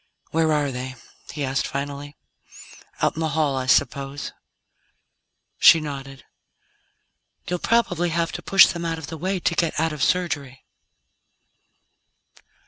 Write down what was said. "Where are they?" he asked finally. "Out in the hall, I suppose?" She nodded. "You'll probably have to push them out of the way to get out of Surgery."